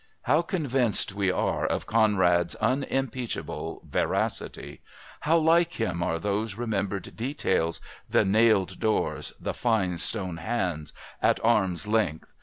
How convinced we are of Conrad's unimpeachable veracity! How like him are those remembered details, "the nailed doors," "the fine stone hands," "at arm's length"!